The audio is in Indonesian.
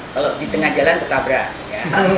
kalau di tengah jalan tertabrak